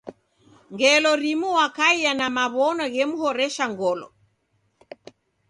Ngelo rimu wakaia na maw'ono ghemhoresha ngolo.